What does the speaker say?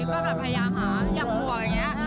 ก็แบบพยายามหาอย่าห่วงอย่างนี้